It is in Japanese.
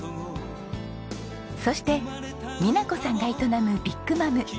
そして美奈子さんが営むビッグマム。